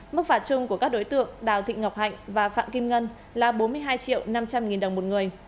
mức phạt chung của các đối tượng đào thị ngọc hạnh và phạm kim ngân là bốn mươi hai năm trăm linh nghìn đồng một người